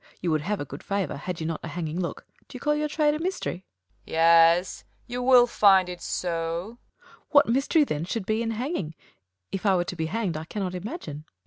You Avould have a good favour, had you not A hanging look, d'you call your trade a mystery 1 Hang. Yes, you Avill find it so. Fool. What mystery there should be in hang ing, if I Avore to be hang'd, I cannot imagine.